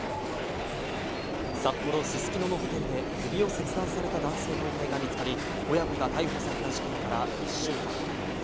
札幌・すすきののホテルで首を切断された男性の遺体が見つかり、親子が逮捕された事件から１週間。